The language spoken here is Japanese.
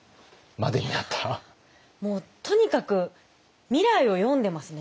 もうとにかく未来を読んでますね